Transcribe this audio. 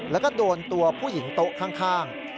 แล้วก็โดนตัวผู้หญิงโต๊ะข้าง